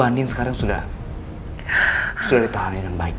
andin sekarang sudah sudah ditahani suren baik